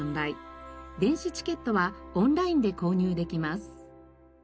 電子チケットはオンラインで購入できます。